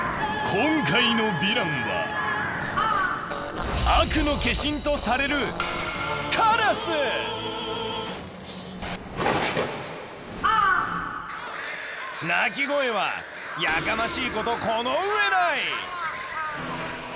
今回のヴィランは悪の化身とされる鳴き声はやかましいことこの上ない。